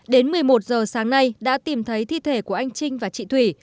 đến một mươi một giờ sáng nay đã tìm thấy thi thể của anh trinh và chị thủy